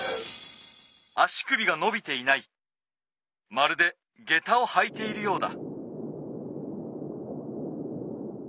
まるでげたをはいているようだ。